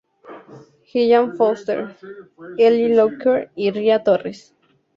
Gillian Foster, Eli Locker y Ria Torres.